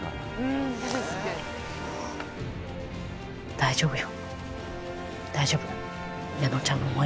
大丈夫よ